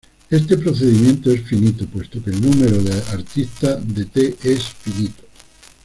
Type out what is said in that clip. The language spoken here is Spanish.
Este procedimiento es finito puesto que el número de aristas de T es finito.